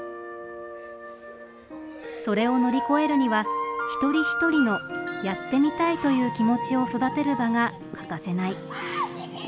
それを乗り越えるには一人一人の「やってみたい」という気持ちを育てる場が欠かせない。